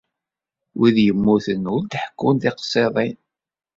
Wid yemmuten ur d-ḥekkun tiqsiḍin.